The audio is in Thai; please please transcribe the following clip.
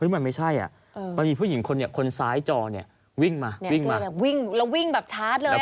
มันไม่ใช่มีผู้หญิงคนซ้ายจอวิ่งมาวิ่งแบบชาร์จเลย